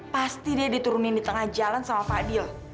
pasti dia diturunin di tengah jalan sama fadil